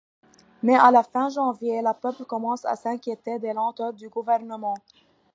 Mais à la fin janvier, le peuple commence à s'inquiéter des lenteurs du gouvernement.